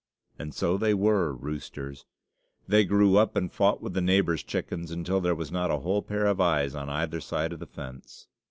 And so they were roosters! They grew up and fought with the neighbors' chickens, until there was not a whole pair of eyes on either side of the fence.